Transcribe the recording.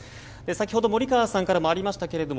先ほど、森川さんからもありましたけど